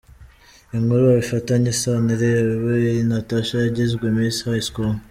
Inkuru bifitanye isano: Irebe Natacha yagizwe Miss High School.